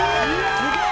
すげえ！